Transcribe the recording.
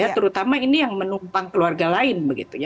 terutama ini yang menumpang keluarga lain